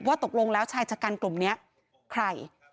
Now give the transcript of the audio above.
ตกลงแล้วชายชะกันกลุ่มนี้ใคร